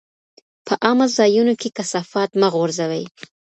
په عامه ځایونو کې کثافات مه غورځوئ.